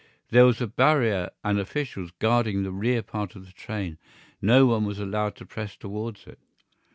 There was a barrier and officials guarding the rear part of the train; no one was allowed to press towards it.